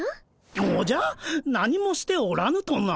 おじゃ何もしておらぬとな？